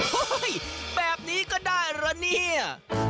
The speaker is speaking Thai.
แบบนี้ก็ได้เหรอเนี่ย